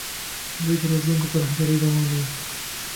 دوی د روزونکو په رهبرۍ روان وو.